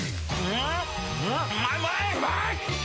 うまい！！